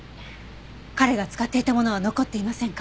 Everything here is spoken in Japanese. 彼が使っていたものは残っていませんか？